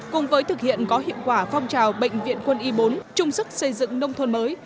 cùng với thực hiện có hiệu quả phong trào bệnh viện quân y bốn trung sức xây dựng nông thôn mới